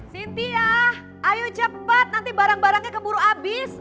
sintia ayo cepat nanti barang barangnya keburu habis